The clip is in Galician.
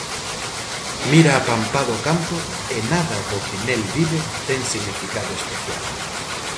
Mira apampado o campo e nada do que nel vive ten significado especial.